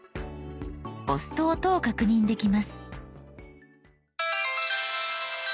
押すと音を確認できます。」）